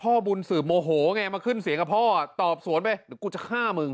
พ่อบุญสืบโมโหไงมาขึ้นเสียงกับพ่อตอบสวนไปเดี๋ยวกูจะฆ่ามึง